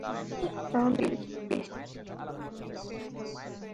তাহলে এটা কি?